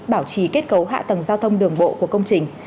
bảo trì kết cấu hạ tầng giao thông đường bộ của công trình